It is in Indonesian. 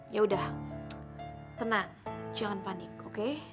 yaudah tenang jangan panik oke